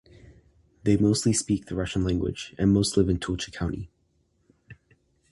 They mostly speak the Russian language, and most live in Tulcea County.